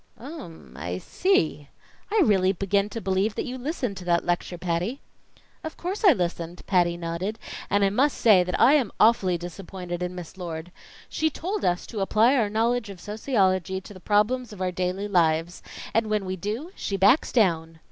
"Um I see! I really begin to believe that you listened to that lecture, Patty." "Of course I listened," Patty nodded, "and I must say that I am awfully disappointed in Miss Lord. She told us to apply our knowledge of sociology to the problems of our daily lives, and when we do, she backs down.